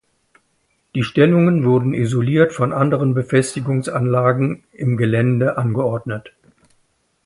Die Stellungen wurden isoliert von anderen Befestigungsanlagen im Gelände angeordnet.